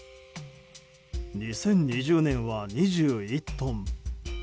２０２０年は２１トン。